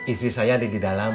istri saya ada di dalam